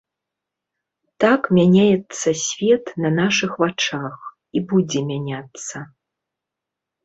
Так мяняецца свет на нашых вачах, і будзе мяняцца.